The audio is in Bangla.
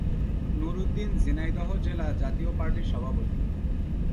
নুর উদ্দিন ঝিনাইদহ জেলা জাতীয় পার্টির সভাপতি।